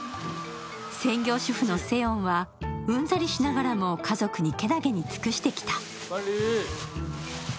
専業主婦のセヨンは、うんざりしながらも家族に健気に尽くしてきた。